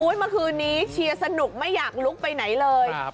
เมื่อคืนนี้เชียร์สนุกไม่อยากลุกไปไหนเลย